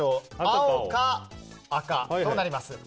青か赤となります。